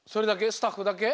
スタッフだけ？